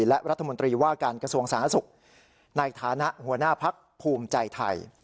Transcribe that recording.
และรัฐมนตรีว่าการกระทรวงสาธารณสุขในฐานะหัวหน้าพักภูมิใจไทย